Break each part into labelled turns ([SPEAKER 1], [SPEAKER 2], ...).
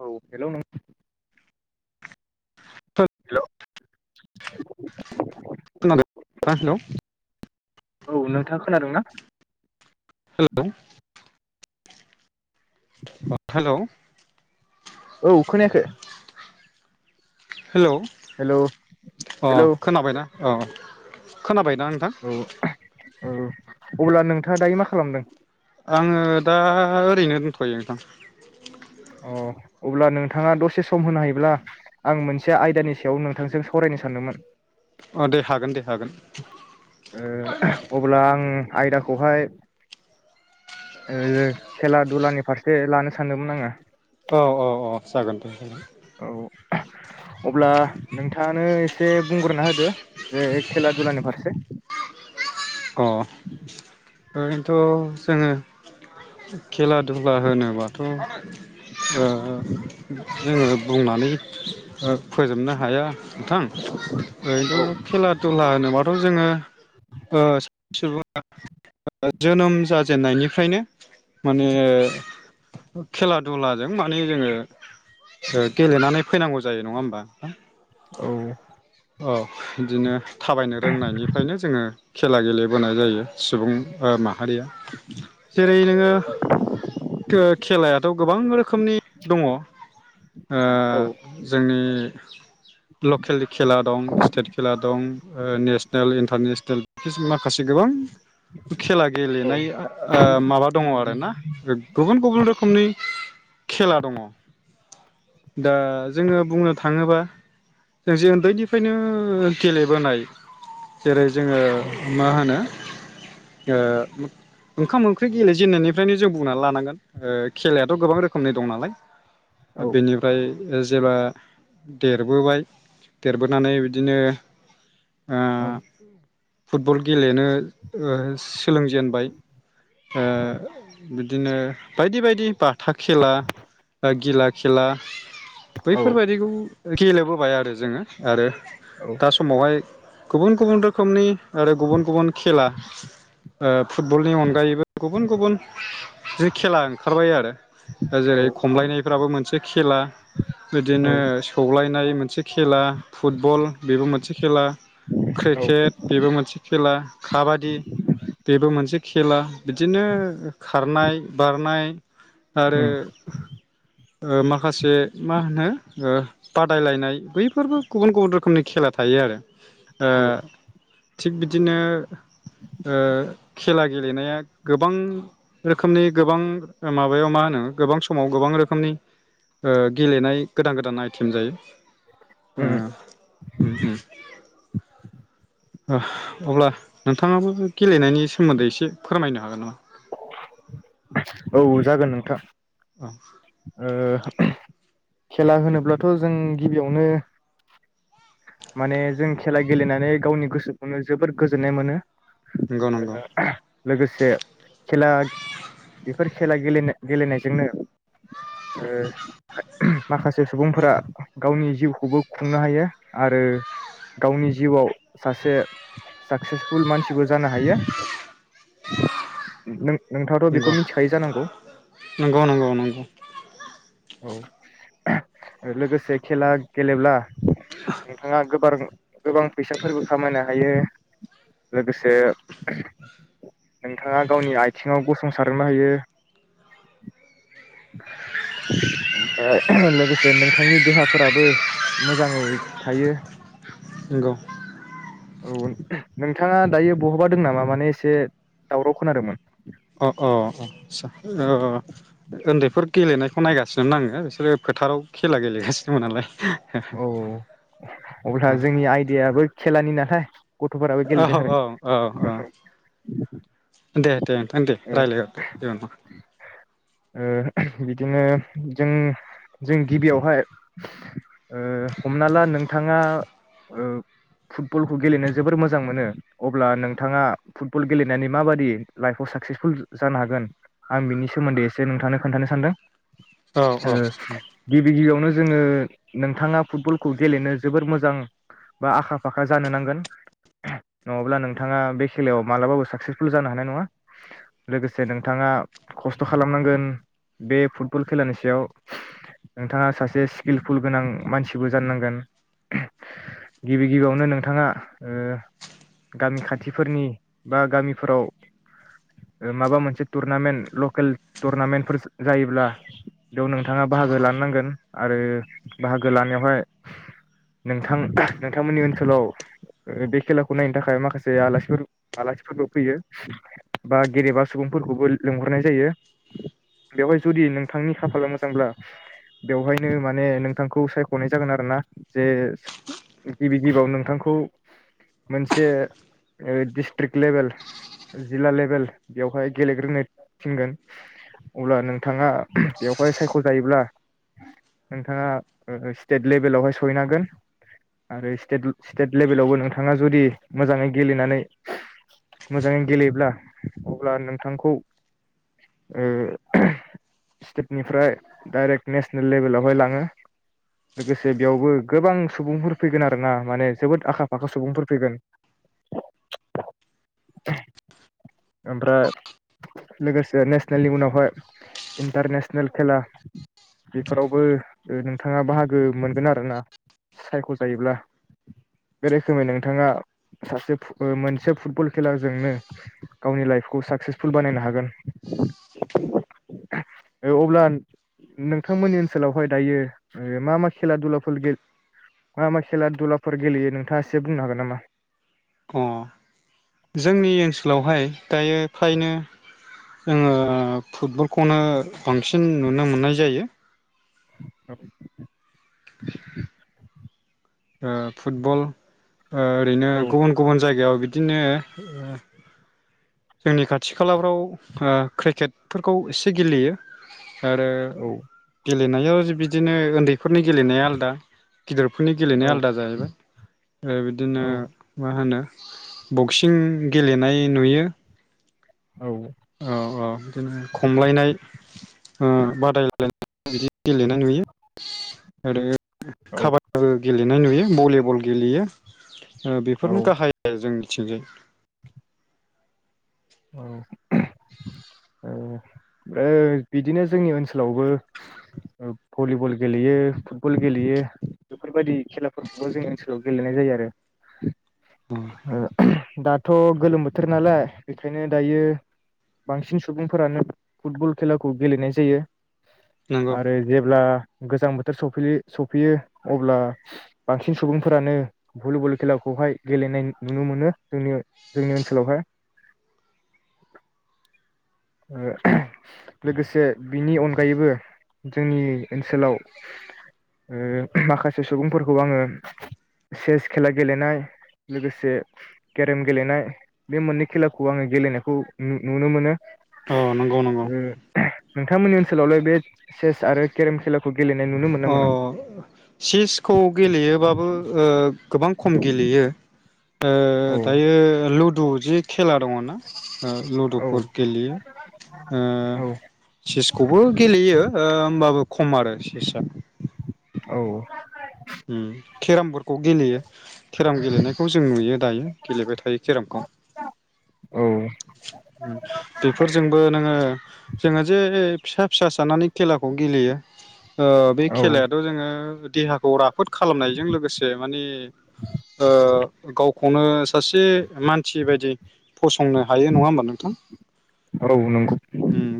[SPEAKER 1] औ हेल' नों
[SPEAKER 2] [inaudible]
[SPEAKER 1] हेल'
[SPEAKER 2] [unintelligible]
[SPEAKER 1] औ नोंथाङा खोनादोंंना
[SPEAKER 2] हेल' हेल'
[SPEAKER 1] औ खोनायाखै?
[SPEAKER 2] हेलौ
[SPEAKER 1] हेलौ
[SPEAKER 2] अ
[SPEAKER 1] हेलौ
[SPEAKER 2] खोनाबायना? अ खोनाबाय दा नोंथां।
[SPEAKER 1] औ औ अब्ला नोंथाङा दायो मा खालामदों?
[SPEAKER 2] आङो दा ओरैनो दोनथ'यो नोंथां।
[SPEAKER 1] अ अब्ला नोंथाङा दसे सम होनो हायोब्ला आं मोनसे आयदानि सायाव नोंथांजों सावरायनो सानदोंमोन।
[SPEAKER 2] अ दे हागोन दे हागोन।
[SPEAKER 1] ओ अब्ला आं। आयदाखौहाय ओ खेला दुलानि फारसे लानो सानदोंमोन आङो।
[SPEAKER 2] औ औ औ जागोन दे।
[SPEAKER 1] औ अब्ला नोंथाङानो एसे बुंग्रोना होदो जे खेला दुलानि फारसे।
[SPEAKER 2] अ। ओरैनोथ' जोङो खेला दुला होनोबाथ' ओ जोङो बुंनानै ओ फोजोबनो हाया नोंथां।
[SPEAKER 1] औ
[SPEAKER 2] ओरैथ' खेला दुला होनोल्बा थ' जोङो ओ सुबुङा। जोनोम जाजेननायनिफ्रायनो माने खेला दुलाजों माने जोङो ओ गेलेनानै फैनांगौ जायो नङा होमबा।
[SPEAKER 1] औ।
[SPEAKER 2] औ बिदिनो थाबायनो रोंनायनिफ्रायनो जोङो खेला गेलेबोनाय जायो। सुबुं ओ मा माहारिया। जेरै नोङो ओ खेलायाथ' गोबां रोखोमनि दङ ओ
[SPEAKER 1] औ
[SPEAKER 2] जोंनि। लकेलनि खेला दं स्टेट खेला दं ओ नेसनेल इन्टारनेसनेल माखासे गोबां। खेला
[SPEAKER 1] औ
[SPEAKER 2] गेलेनाय ओ माबा दङ आरोना ओ गुबुन गुबुन रोखोमनि। खेला दङ। दा जोङो बुंनो थाङोबा जों जे उन्दैनिफ्रायनो गेलेबोनाय। जेरै जोङो मा होनो। ओ ओंखाम ओंख्रि गेलेजेनन्नायनिफ्रायनो जों बुंनानै लानांगोन ओ खेलायाथ' गोबां रोखोमनि दं नालाय।
[SPEAKER 1] औ
[SPEAKER 2] बेनि। जेब्ला देरबोबाय देरबोनानै बिदिनो। ओ।
[SPEAKER 1] औ
[SPEAKER 2] फुटबल गेलेनो ओ सोलोंजेनबाय ओ बिदिनो बायदि बायदि बाथा खेला बा गिला खेला। बैफोर बायदिखौ। गेलेबोबाय आरो जोङो आरो।
[SPEAKER 1] औ
[SPEAKER 2] दा समावहाय गुबुन गुबुन रोखोमनि आरो गुबुन गुबुन खेला ओ फुटबलनि अनगायैबो गुबुन गुबुन जि खेला ओंखारबाय आरो दा
[SPEAKER 1] औ
[SPEAKER 2] जेरै खमलायनायफोराबो मोनसे खेला बिदिनो
[SPEAKER 1] औ
[SPEAKER 2] सौलायनाय मोनसे खेला फुटबल बेबो मोनसे खेला
[SPEAKER 1] औ
[SPEAKER 2] क्रिकेट बेबो मोनसे खेला खाबादि बेबो मोनसे खेला बिदिनो खारनाय बारनाय आरो
[SPEAKER 1] उम
[SPEAKER 2] ओ माखासे मा होनो ओ बादायलायनाय बैफोरबो गुबुन गुबुन रोखोमनि खेला थायो आरो। ओ थिग बिदिनो ओ खेला गेलेनाया गोबां रोखोमनि गोबां माबायाव मा होनो गोबां समाव गोबां रोखोमनि ओ गेलेनाय गोदान गोदान आइटेम जायो ओ
[SPEAKER 1] उम
[SPEAKER 2] उम उम। ओह अब्ला नोंथाङाबो गेलेनायनि सोमोन्दै एसे फोरमायनो हागोन नामा?
[SPEAKER 1] औ जागोन नोंथां।
[SPEAKER 2] औ
[SPEAKER 1] ओ खेला होनोब्लाथ' जों गिबियावनो माने जों खेला गेलेनानै गावनि गोसोखौनो जोबोर गोजोननाय मोनो।
[SPEAKER 2] नंगौ नंगौ
[SPEAKER 1] ओ लोगोसे खेला बेफोर खेला गेलेना गेलेनायजोंनो ओ माखासे सुबुंफोरा गावनि जिउखौबो खुंनो हायो। आरो गावनि जिउआव सासे साक्सेसफुल मानसिबो जानो हायो नों नोंथाङाथ' बेखौ
[SPEAKER 2] नंगौ
[SPEAKER 1] मिथिखायो जानांगौ
[SPEAKER 2] नंगौ नंगौ नंगौ।
[SPEAKER 1] औ लोगोसे खेला गेलेब्ला
[SPEAKER 2] [inaudible]
[SPEAKER 1] नोंथाङा गोबार-गोबां फैसाफोरबो खामायनो हायो लोगोसे नोंथाङा गावनि आथिङाव गसंसारनो हायो ओमफ्राय लोगोसे नोंथांनि देहाफोराबो मोजाङै थायो।
[SPEAKER 2] नंगौ
[SPEAKER 1] औ नोंथाङा दायो बहाबा दों नामा माने एसे दावराव खोनादोंमोन?
[SPEAKER 2] अ अ अ आसा ओ ओन्दैफोर गेलेनायखौ नायगासिनोमोन आङो बिसोरो फोथाराव खेला गेलेगासिनोमोन नालाय।
[SPEAKER 1] औ अब्ला जोंनि आयदायाबो खेलानि नालाय गथ'फोराबो
[SPEAKER 2] औ
[SPEAKER 1] गेलेदों आरो
[SPEAKER 2] औ औ औ ओं दे दे नोंथां दे
[SPEAKER 1] ओ
[SPEAKER 2] राय्लहरदो जेबो नङा
[SPEAKER 1] ओ बिदिनो जों जों गिबियावहाय ओ हमना ला नोंथाङा ओ फुटबलखौ गेलेनो जोबोर मोजां मोनो अब्ला नोंथाङा फुटबल गेलेनानै माबादि लाइफआव साक्सेसफुल जानो हागोन आं बिनि सोमोन्दै इ से नोंथांनो खोन्थानो सानदों।
[SPEAKER 2] औ औ
[SPEAKER 1] ओ गिबि गिबियावनो जोङो नोंथाङा फुटबलखौ गेलेनो जोबोर मोजां बा आखा फाखा जानो नांगोन। नङाब्ला नोंथाङा बे खेलायाव मालाबाबो साक्सेसफुल जानो हानाय नङा लोगोसे नोंथाङा खस्थ खालामनांगोन बे फुटबल खेलानि सायाव नोंथाङा सासे स्किलफुल गोनां मानसिबो जाननांगोन गिबि गिबियावनो नोंथाङा ओ गामि खाथिफोरनि बा गामिफोराव माबा मोनसे टुरनामेन्ट लकेल टुरनामेन्टफोर जायोब्ला बेयाव नोंथाङा बाहागो लानो नांगोन आरो बाहागो लानायावहाय नोंथां नोंथांमोननि ओनसोलाव बे खेलाखौ नायनो थाखाय माखासे आलासिफोर आलासिफोरबो फैयो बा गदेबा सुबुंफोरखौबो लिंहरनाय जायो। बेवहाय जुदि नोंथांनि खाफाला मोजांब्ला बेवहायनो माने नोंथांखौ सायखनाय जागोन आरोना जे गिबि गिबियाव नोंथांखौ मोनसे डिस्ट्रिक लेभेल जिल्ला लेभेल बेवहाय गेलेग्रोनो थिनगोन। अब्ला नोंथाङा बेवहाय सायखजायोब्ला नोंथाङा ओ स्टेट लेभेलावहाय सहैनो हागोन आरो स्टेट स्टेट लेभेलावबो नोंथाङा जुदि मोजाङै गेलेनानै मोजाङै गेलेयोब्ला अब्ला नोंथांखौ ओ स्टेटनिफ्राय डाइरेक्ट नेसनेल लेभेलावहाय लाङो लोगोसे बेयावबो गोबां सुबुंफोर फैगोन आरोना माने जोबोद आखा-फाखा सुबुंफोर फैगोन ओमफ्राय लोगोसे नेसनेलनि उनावहाय इन्टारनेसनेल खेला बेफोरावबो ओ नोंथाङा बाहागो मोनगोन आरोना सायखजायोब्ला बे रोखोमै नोंथाङा सासे फु मोनसे फुटबल खेलाजोंनो गावनि लाइफखौ साक्सेसफुल बानायनो हागोन।
[SPEAKER 2] [inaudible]
[SPEAKER 1] ओ अब्ला नोंथांमोननि ओनसोलावहाय दायो ओ मा मा खेला दुलाफोर गेल मा मा खेला दुलाफोर गेलेयो नोंथाङा एसे बुंनो हागोन नामा?
[SPEAKER 2] अ जोंनि ओनसोलावहाय दायो फ्रायनो जोङो फुटबलखौनो बांसिन नुनो मोननाय जायो।
[SPEAKER 1] औ।
[SPEAKER 2] ओ फुटबल ओ ओरैनो
[SPEAKER 1] औ
[SPEAKER 2] गुबुन गुबुन जायगायाव बि बिदिनो ओ जोंनि खाथि खालाफ्राव ओ क्रिकेटफोरखौ एसे गेलेयो। आरो गे
[SPEAKER 1] औ
[SPEAKER 2] गेलेनायाव जि बिदिनो उन्दै फोरनि गेलेनाया आलादा गिदिरफोरनि
[SPEAKER 1] औ
[SPEAKER 2] गेलेनाया आलादा जाहैबाय ओ बिदिनो मा होनो बक्सिं गेलेनाय नुयो।
[SPEAKER 1] औ।
[SPEAKER 2] औ औ बिदिनो खमलायनाय ओ बादायलायनाय बिदि गेलेनाय नुयो आरो काबादिबो गेलेनाय नुयो। भलिबल गेलेयो। ओ
[SPEAKER 1] औ
[SPEAKER 2] बेफोरनो गाहाय जोंनि थिजोन
[SPEAKER 1] औ औ ओ बिदिनो जोंनि ओ ओनसोलावबो भलिबल गेलेयो फुटबल गेलेयो बेफोरबायदि खेलाफोरखौबो जोंनि ओनसोलाव गेलेनाय जायो आरो। ओ दाथ गोलोम बोथोर नालाय बेखायनो दायो बांसिन सुबुंफोरानो फुटबल खेलाखौ गेलेनाय जायो।
[SPEAKER 2] नंगौ
[SPEAKER 1] आरो जेब्ला गोजां बोथोर सफैयो सफैयो अब्ला बांसिन सुबुंफोरानो भलिबल खेलाखौहाय गेलेनाय नुनो मोनो जोंनि जोंनि ओनसोलावहाय। ओ लोगोसे बिनि अनगायैबो जोंनि ओनसोलाव ओ माखासे सुबुंफोरखौ आङो चेस खेला गेलेनाय लोगोसे केरेम गेलेनाय बे मोननै खेलाखौ आङो गेलेनायखौ नुनो मोनो।
[SPEAKER 2] अ नंगौ नंगौ।
[SPEAKER 1] ओ नोंथांमोननि ओनसोलावलाय बे चेस आरो केरेम खेलाखौ गेलेनाय नुनो मोनो ना
[SPEAKER 2] अ
[SPEAKER 1] मोना
[SPEAKER 2] चिसखौ गेलेयोबाबो ओ गोबां खम गेलेयो। ओ
[SPEAKER 1] औ
[SPEAKER 2] दायो लुदु जिख खेला दङना ओ
[SPEAKER 1] औ
[SPEAKER 2] लुदुफोर गेलेयो ओ
[SPEAKER 1] औ
[SPEAKER 2] चिसखौबो गेलेयो ओमबाबो खम आरो। बेसाद।
[SPEAKER 1] औ।
[SPEAKER 2] ओम केराम बर्डखौ गेलेयो। केराम गेलेनायखौ जों नुयो दायो गेलेबाय थायो केरामखौ
[SPEAKER 1] औ
[SPEAKER 2] बेफोरजोंबो नोङो जोङो जे फिसा फिसा सानानै खेलाखौ गेलेयो। ओ बे
[SPEAKER 1] औ
[SPEAKER 2] खेलायाथ' जोङो देहाखौ रा फोद खालामनायजों लोगोसे माने ओ गावखौनो सासे मानसि बायदि फसंनो हायो नङा होमबा नोंथां?
[SPEAKER 1] औ नंगौ
[SPEAKER 2] ओम।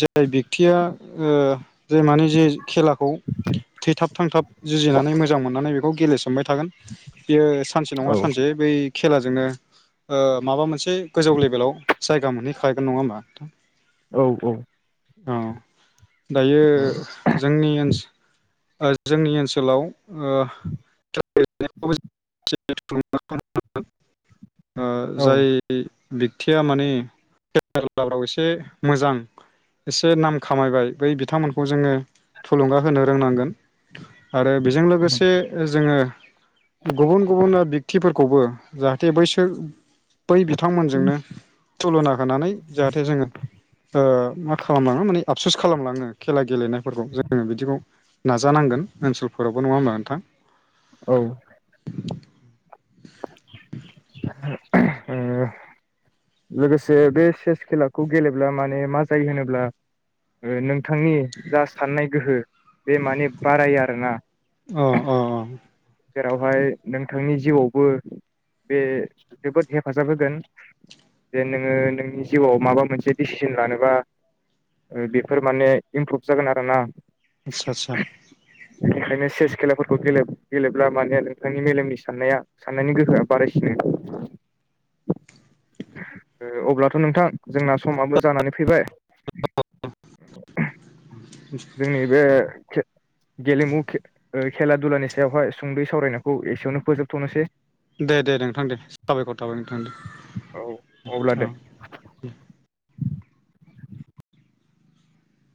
[SPEAKER 2] जाय बेक्तिया ओ जे माने जे खेलाखौ थैथाब थांथाब जुजिनानै मोजां मोननानै बेखौ गेलेसोमबाय थागोन बियो सानसे
[SPEAKER 1] औ
[SPEAKER 2] नङा सानसे बै खेलाजोंनो माबा ओ मोनसे मैं गोजौ लेभेलाव जायगा मोनहैखागोन नङा होमबा नोंथां?
[SPEAKER 1] औ
[SPEAKER 2] अ। दायो
[SPEAKER 1] औ
[SPEAKER 2] जोंनि ओनस ओ जोंनि ओनस सोलाव ओ [unintelligible] ओ जाय बेक्तिया माने खेलाफ्राव एसे मोजां एसे नाम खामायबाय बै बिथांमोनखौ जोङो थुलुंगा होनो रोंनांगोन। आरो बेजों लोगोसे जोङो गुबुन गुबुन बेक्तिफोरखौबो जाहाथे बैसो बै बिथांमोनजोंनो थुलुना होनानै जाहाथे जोङो ओ मा खालामलाङो माने आ आफसुस खा खालामलाङो खेला गेलेनायफोरखौ जोङो बिदिखौ नाजानांगोन। ओनसोलफोरावबो नङा होमब्ला नोंथां।
[SPEAKER 1] औ। ओम। लोगोसे बे चेस खेलाखौ गेलेब्ला माने मा जायो होनोब्ला नोंथांनि जा साननाय गोहो बे माने बारायो आरोना।
[SPEAKER 2] अ अ
[SPEAKER 1] जेरावहाय नोंथांनि जिउआवबो बे जोबोद हेफाजाब होगोन। जे नोङो नोंनि जिउआव माबा मोनसे दिसिसन लानोबा बेफोर माने इमप्रुभ जागोन आरो ना।
[SPEAKER 2] आच्सा आच्सा।
[SPEAKER 1] बेनिखायनो चेस खेलाफोरखौे गेले गेलेब्ला माने नोंथांनि मेलेमनि साननाया साननायनि गोहोआ बारायसिनो। ओ अब्लाथ' नोंथां जोंना समाबो जानानै फैबाय जोंनि बे खे गेलेमु खे ओ खेला दुलानि सायावहाय सुंद'यै सावरायनायखौ एसेयावनो फोजोबथ'नोसै।
[SPEAKER 2] दे, दे, दे नोंथां दे साबायखर थाबाय नोंथां
[SPEAKER 1] औ अब्ला
[SPEAKER 2] दे
[SPEAKER 1] दे
[SPEAKER 2] औ उम।